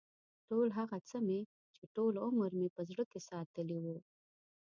ټول هغه څه مې چې ټول عمر مې په زړه کې ساتلي و.